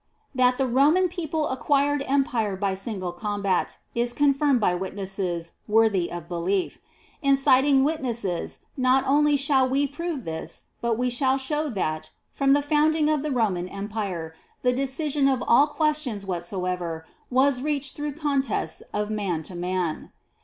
1. That the Roman people acquired Empire by single combat is confirmed by witnesses wor thy of belief. In citing witnesses, not only shall we prove this, but we shall show that, from the founding of the Roman Empire, the decision of all questions whatsoever was reached through contests of man to man.